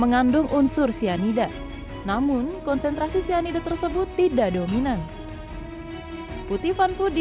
mengandung unsur cyanida namun konsentrasi cyanida tersebut tidak dominan putih fanfudi